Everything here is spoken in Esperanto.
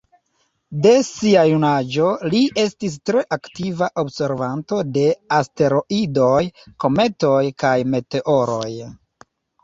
De sia junaĝo, li estis tre aktiva observanto de asteroidoj, kometoj, kaj meteoroj.